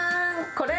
これ！